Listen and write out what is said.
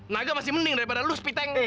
naga masih mending daripada lu spiteng